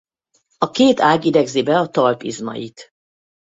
A két ág idegzi be a talp izmait.